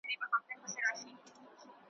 له خندا شین سي ورته نڅیږي `